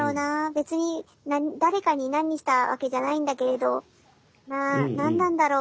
別に誰かに何したわけじゃないんだけれど何なんだろう